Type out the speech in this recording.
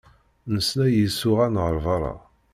Nesla i isuɣan ɣer berra.